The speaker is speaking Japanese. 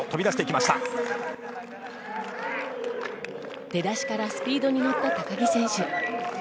出だしからスピードに乗った高木選手。